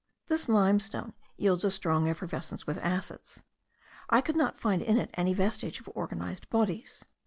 This limestone yields a strong effervescence with acids. I could not find in it any vestige of organized bodies.